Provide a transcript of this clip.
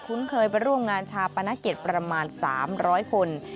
คุ้นเคยไปร่วมงานชาปนักเก็ตประมาณ๓๐๐คน